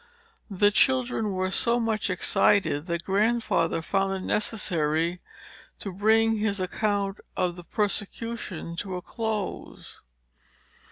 The children were so much excited, that Grandfather found it necessary to bring his account of the persecution to a close.